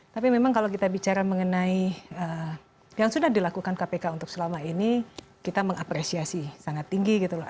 tapi memang kalau kita bicara mengenai yang sudah dilakukan kpk untuk selama ini kita mengapresiasi sangat tinggi gitu loh